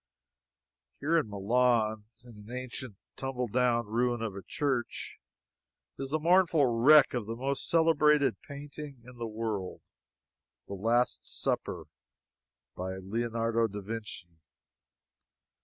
Here in Milan, in an ancient tumble down ruin of a church, is the mournful wreck of the most celebrated painting in the world "The Last Supper," by Leonardo da Vinci.